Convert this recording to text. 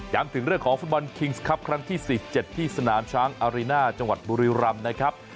ถึงเรื่องของฟุตบอลคิงส์ครับครั้งที่๔๗ที่สนามช้างอารีน่าจังหวัดบุรีรำนะครับ